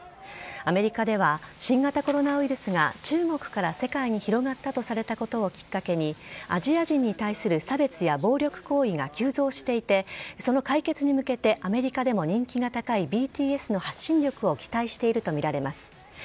アメリカでは新型コロナウイルスが中国から世界に広がったとされたことをきっかけにアジア人に対する差別や暴力行為が急増していてその解決に向けてアメリカでも人気が高いＢＴＳの発信力を期待しているとみられます。